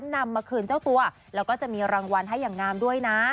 นำมาคืนเจ้าตัวแล้วก็จะมีรางวัลให้อย่างงามด้วยนะ